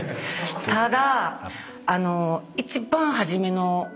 ただ。